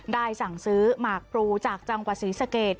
สั่งซื้อหมากพลูจากจังหวัดศรีสเกต